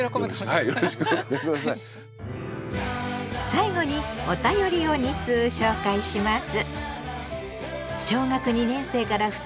最後にお便りを２通紹介します。